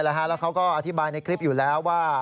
แล้วเขาก็อธิบายในคลิปอยู่แล้วว่า